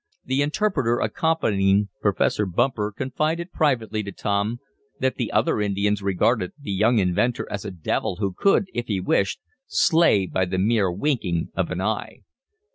The interpreter accompanying Professor Bumper confided privately to Tom that the other Indians regarded the young inventor as a devil who could, if he wished, slay by the mere winking of an eye.